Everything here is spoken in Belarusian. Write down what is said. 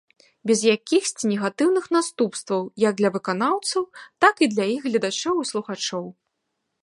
Без якіхсьці негатыўных наступстваў як для выканаўцаў, так і для іх гледачоў і слухачоў.